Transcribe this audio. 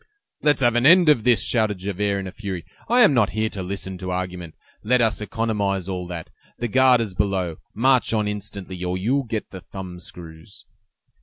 "Let's have an end of this!" shouted Javert, in a fury; "I am not here to listen to argument. Let us economize all that; the guard is below; march on instantly, or you'll get the thumb screws!"